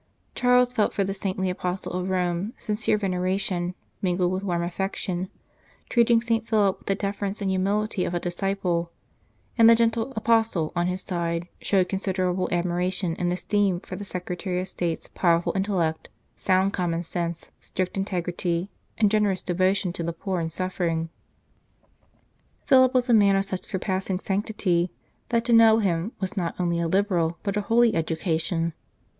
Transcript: Charles felt for the saintly Apostle of Rome sincere venera tion mingled with warm affection, treating St. Philip with the deference and humility of a disciple; and the gentle "Apostle" on his side showed considerable admiration and esteem for the Secretary of State s powerful intellect, sound common sense, strict integrity, and generous devo tion to the poor and suffering. Philip was a man of such surpassing sanctity that to know him was not only a liberal, but a holy education.